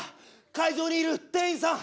会場にいる店員さん！